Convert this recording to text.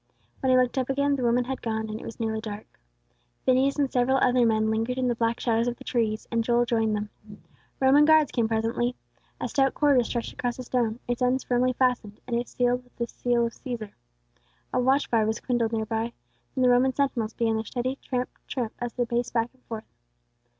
When he looked up again, the women had gone, and it was nearly dark. Phineas and several other men lingered in the black shadows of the trees, and Joel joined them. Roman guards came presently. A stout cord was stretched across the stone, its ends firmly fastened, and sealed with the seal of Cæsar. A watch fire was kindled near by; then the Roman sentinels began their steady tramp! tramp! as they paced back and forth.